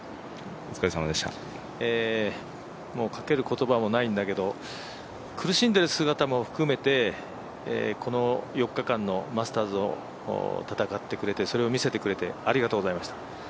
もうかける言葉もないんだけど、苦しんでる姿も含めてこの４日間のマスターズを戦ってくれて、それを見せてくれて、ありがとうございました。